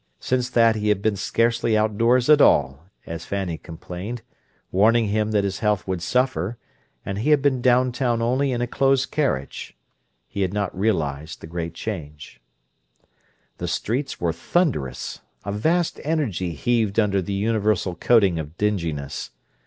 Since that he had been "scarcely outdoors at all," as Fanny complained, warning him that his health would suffer, and he had been downtown only in a closed carriage. He had not realized the great change. The streets were thunderous; a vast energy heaved under the universal coating of dinginess.